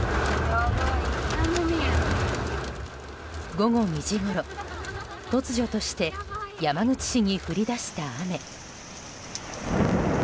午後２時ごろ突如として、山口市に降り出した雨。